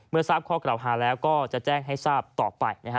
เมื่อทราบข้อกล่าวหาแล้วก็จะแจ้งให้ทราบต่อไป